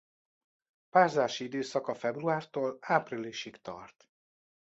Párzási időszaka februártól áprilisig tart.